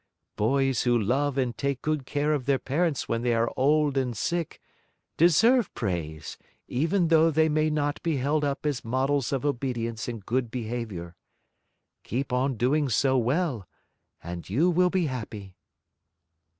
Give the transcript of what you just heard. Boys who love and take good care of their parents when they are old and sick, deserve praise even though they may not be held up as models of obedience and good behavior. Keep on doing so well, and you will be happy."